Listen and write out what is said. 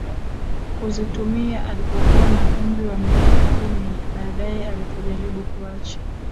kuzitumia alipokuwa na umri wa miaka kumi Baadaye alipojaribu kuacha